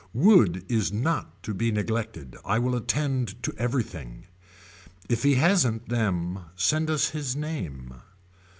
Wood is not to be neglected. I will attend to everything. If he hasn't them send us his name.